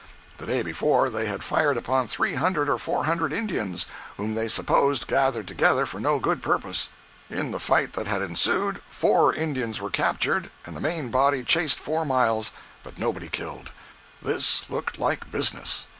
The day before, they had fired upon three hundred or four hundred Indians, whom they supposed gathered together for no good purpose. In the fight that had ensued, four Indians were captured, and the main body chased four miles, but nobody killed. This looked like business.